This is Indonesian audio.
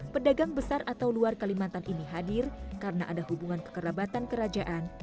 pedagang besar atau luar kalimantan ini hadir karena ada hubungan kekerabatan kerajaan